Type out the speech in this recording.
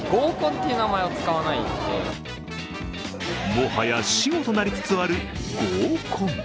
もはや死語となりつつある合コン。